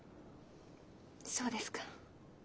そうですか。